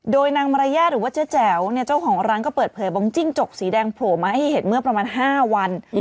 โดยนางมารยาทหรือว่าเจ๊แจ๋วเนี่ยเจ้าของร้านก็เปิดเผยบอกจิ้งจกสีแดงโผล่มาให้เห็นเมื่อประมาณ๕วัน